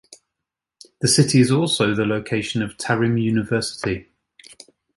This city is also the location of Tarim University.